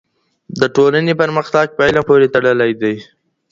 د ټولنې پرمختګ په علم پورې تړلی دی.